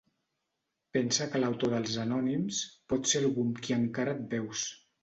Pensa que l'autor dels anònims pot ser algú amb qui encara et veus.